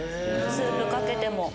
スープかけても。